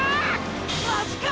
マジか！！